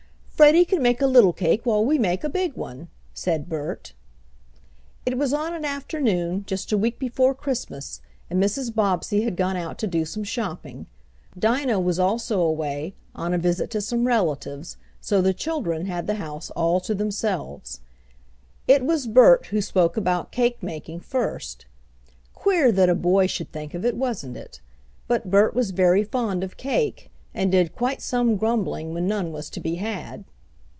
"Freddie can make a little cake while we make a big one," said Bert. It was on an afternoon just a week before Christmas and Mrs. Bobbsey had gone out to do some shopping. Dinah was also away, on a visit to some relatives, so the children had the house all to themselves. It was Bert who spoke about cake making first. Queer that a boy should think of it, wasn't it? But Bert was very fond of cake, and did quite some grumbling when none was to be had.